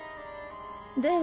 では